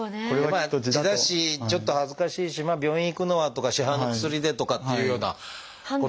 まあ痔だしちょっと恥ずかしいし病院へ行くのはとか市販の薬でとかっていうようなことに。